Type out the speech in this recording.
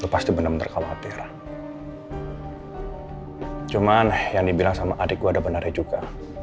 pasti bener bener khawatir cuman yang dibilang sama adik gue ada benarnya juga